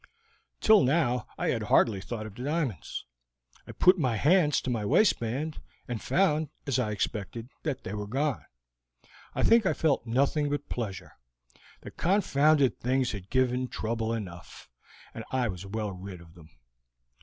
"Till now I had hardly thought of the diamonds; I put my hands to my waistband and found, as I expected, that they were gone. I think I felt nothing but pleasure: the confounded things had given trouble enough, and I was well rid of them.